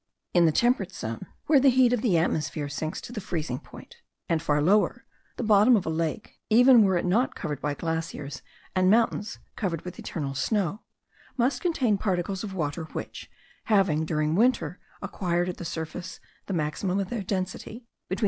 In the temperate zone, where the heat of the atmosphere sinks to the freezing point, and far lower, the bottom of a lake, even were it not surrounded by glaciers and mountains covered with eternal snow, must contain particles of water which, having during winter acquired at the surface the maximum of their density, between 3.